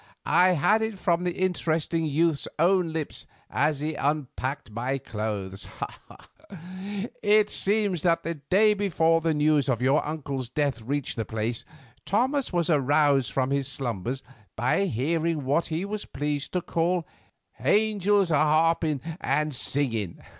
I had it from the interesting youth's own lips as he unpacked my clothes. It seems that the day before the news of your uncle's death reached this place, Thomas was aroused from his slumbers by hearing what he was pleased to call 'hangels a 'arping and singing.